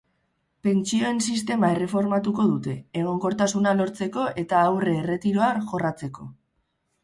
Pentsioen sistema erreformatuko dute, egonkortasuna lortzeko eta aurre-erretiroa jorratzeko.